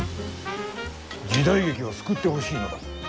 時代劇を救ってほしいのだ。